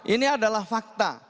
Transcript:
ini adalah fakta